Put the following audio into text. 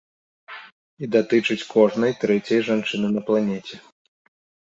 І датычыць кожнай трэцяй жанчыны на планеце.